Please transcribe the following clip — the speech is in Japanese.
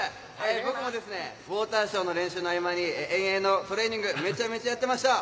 僕もウォーターショーの練習の合間に遠泳のトレーニング、めちゃめちゃやっていました。